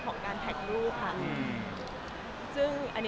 ก็เรียกว่างาน